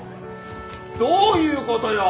どういうことよ？